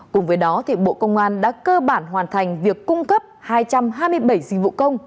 cùng với đó bộ công an đã cơ bản hoàn thành việc cung cấp hai trăm hai mươi bảy dịch vụ công